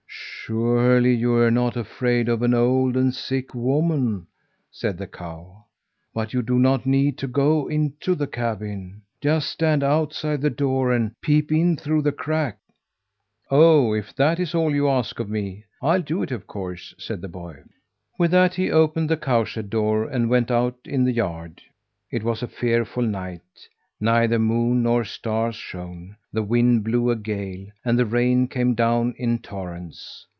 "'Surely you're not afraid of an old and sick woman," said the cow. "But you do not need to go into the cabin. Just stand outside the door and peep in through the crack!" "Oh! if that is all you ask of me, I'll do it of course," said the boy. With that he opened the cowshed door and went out in the yard. It was a fearful night! Neither moon nor stars shone; the wind blew a gale, and the rain came down in torrents.